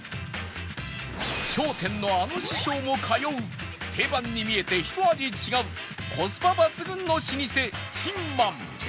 『笑点』のあの師匠も通う定番に見えてひと味違うコスパ抜群の老舗珍満